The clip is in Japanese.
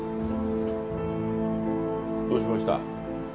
どうしました？